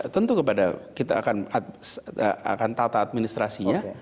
tentu kepada kita akan tata administrasinya